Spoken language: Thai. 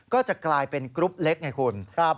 ก็จะกลายเป็นกรุ๊ปเล็กไงคุณ